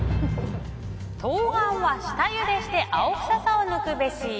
冬瓜は下ゆでして青臭さを抜くべし。